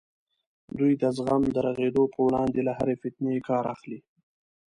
دوی د زخم د رغېدو په وړاندې له هرې فتنې کار اخلي.